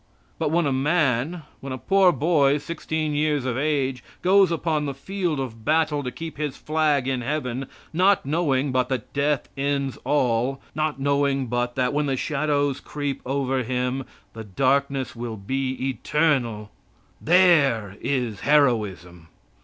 But when a man, when a poor boy sixteen years of age, goes upon the field of battle to keep his flag in heaven, not knowing but that death ends all not knowing but that, when the shadows creep over him, the darkness will be eternal there is heroism.